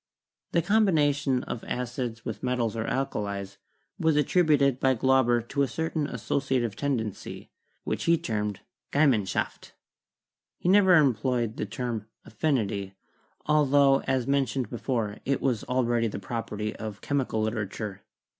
The combination of acids with metals or alkalis was attributed by Glauber to a certain associative tendency, which he termed 'Gemeinschaft.' He never employed the term 'affinity,' altho, as mentioned before, it was already the property of chemical literature.